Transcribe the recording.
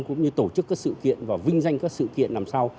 cũng như tổ chức các sự kiện và vinh danh các sự kiện làm sau